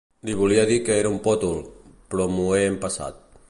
Li volia dir que era un pòtol, però m'ho he empassat.